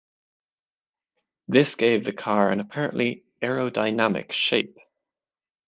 This gave the car an apparently aerodynamic shape.